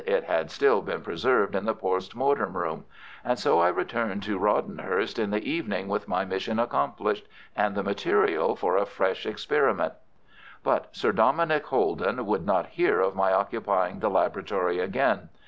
It had still been preserved in the post mortem room. And so I returned to Rodenhurst in the evening with my mission accomplished and the material for a fresh experiment. But Sir Dominick Holden would not hear of my occupying the laboratory again.